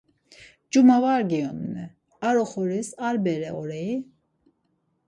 Cuma var giyonuni, ar oxoris ar bere orei?